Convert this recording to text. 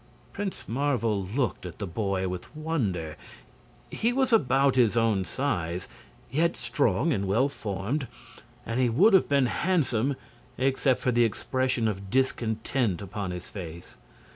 Prince Marvel looked at the boy with wonder. He was about his own size, yet strong and well formed, and he would have been handsome except for the expression of discontent upon his face.